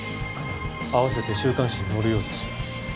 合わせて週刊誌に載るようです。